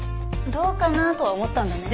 どうかな？とは思ったんだね。